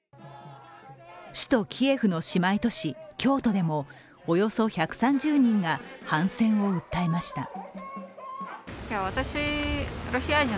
首都キエフの姉妹都市・京都でもおよそ１３０人が反戦を訴えました。